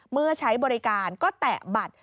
เมื่อใช้บริการก็แตะบัตร